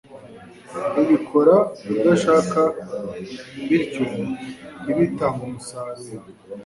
Ubikora udashaka bityo ntibitange umusaruro